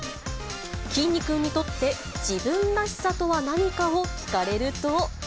きんに君にとって自分らしさとは何かを聞かれると。